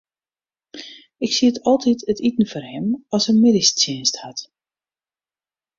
Ik sied altyd it iten foar him as er middeistsjinst hat.